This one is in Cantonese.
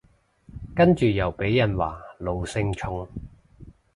跟住又被人話奴性重